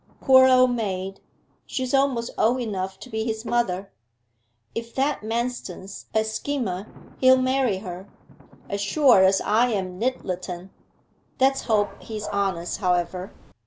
Poor old maid, she's almost old enough to be his mother. If that Manston's a schemer he'll marry her, as sure as I am Nyttleton. Let's hope he's honest, however.